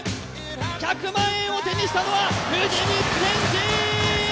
１００万円を手にしたのは藤光謙司！